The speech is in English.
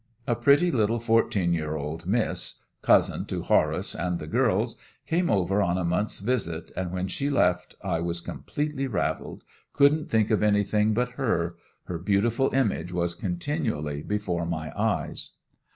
A pretty little fourteen year old Miss, cousin to Horace and the girls, came over on a month's visit and when she left I was completely rattled couldn't think of anything but her; her beautiful image was continually before my eyes.